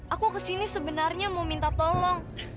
aku kesini sebenarnya mau minta tolong